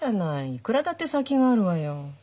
いくらだって先があるわよ。